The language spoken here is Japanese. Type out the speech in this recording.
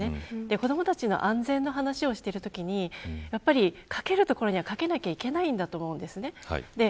子どもたちの安全の話をしているときにかけるところにはかけなきゃいけないんだと思うんです。